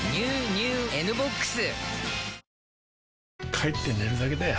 帰って寝るだけだよ